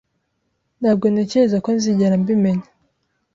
Ntabwo ntekereza ko nzigera mbimenyera.